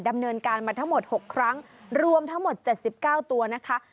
ดำเนินการมาทั้งหมด๖ครั้งรวมทั้งหมด๗๙ตัวนะคะ